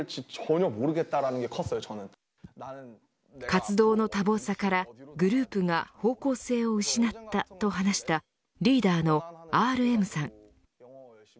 活動の多忙さからグループが方向性を失ったと話したリーダーのＲＭさん。